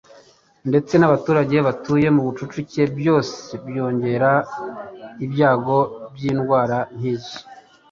ndetse n'abaturage batuye mu bucucike, byose byongera ibyago by'indwara nk'izo.